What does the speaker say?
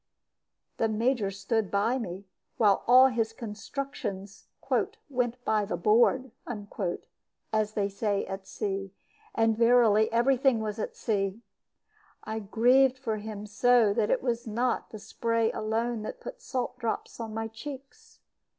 The Major stood by me, while all his constructions "went by the board," as they say at sea; and verily every thing was at sea. I grieved for him so that it was not the spray alone that put salt drops on my cheeks.